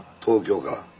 東京から。